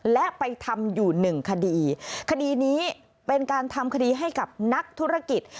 และไปทำอยู่หนึ่งคดีคดีนี้เป็นการทำคดีให้กับนักธุรกิจ